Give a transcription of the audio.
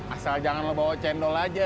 asal jangan bawa cendol aja